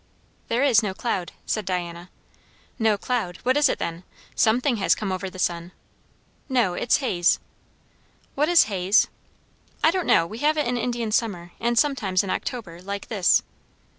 "There is no cloud," said Diana. "No cloud? What is it then? Something has come over the sun." "No, it's haze." "What is haze?" "I don't know. We have it in Indian summer, and sometimes in October, like this."